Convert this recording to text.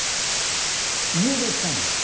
家出したんです。